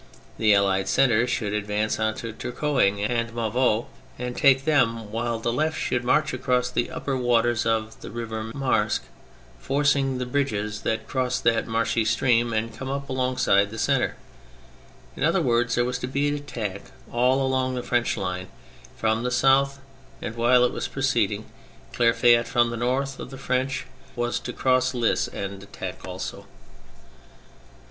The Allied centre should advance on to Tourcoing and Mouveaux and take them, while the left should march across the upper waters of the river Marque, forcing the bridges that crossed that marshy stream, and come up alongside the centre. In other words, there was to be an attack all along the French line from the south, and whUe it was proceeding, Clerfayt, from the north of the French, was to cross the Lys and attack also.